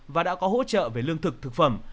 và đã có hỗ trợ về lương thực thực phẩm